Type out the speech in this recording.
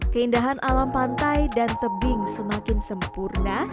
keindahan alam pantai dan tebing semakin sempurna